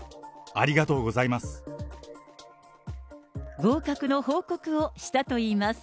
ありがとうございます。